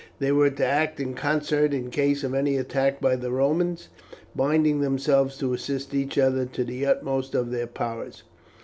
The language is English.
They were to act in concert in case of any attack by the Romans, binding themselves to assist each other to the utmost of their powers.